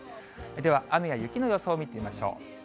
では、雨や雪の予想を見てみましょう。